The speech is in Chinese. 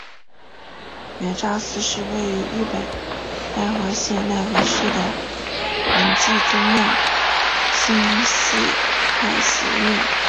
圆照寺是位在日本奈良县奈良市的临济宗妙心寺派寺院。